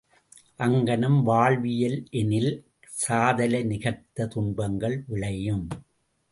அங்ஙணம் வாழவில்லையெனில் சாதலை நிகர்த்த துன்பங்கள் விளையும்!